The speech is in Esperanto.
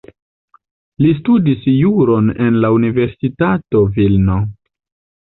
Li studis juron en la Universitato Vilno.